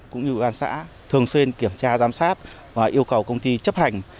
cũng như ủy ban xã thường xuyên kiểm tra giám sát và yêu cầu công ty chấp hành